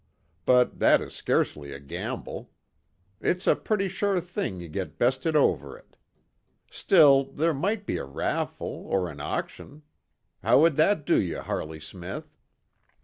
But that is scarcely a gamble. It's a pretty sure thing you get bested over it. Still, there might be a raffle, or an auction. How would that do you, Harley Smith?"